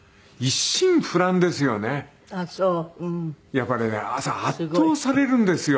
やっぱりね圧倒されるんですよ。